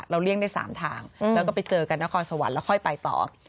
เลี่ยงได้๓ทางแล้วก็ไปเจอกันนครสวรรค์แล้วค่อยไปต่อ